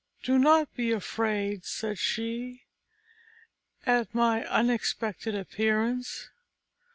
"Do not be afraid," said she, "at my unexpected appearance.